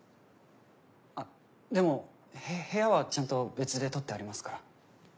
あっでも部屋はちゃんと別で取ってありますから。